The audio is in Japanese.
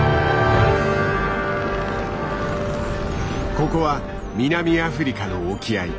ここは南アフリカの沖合。